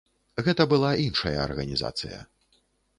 Гэта была іншая арганізацыя.